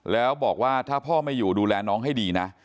แล้วบอกว่าถ้าพ่อไม่อยู่ดูแลน้องให้ดีนะ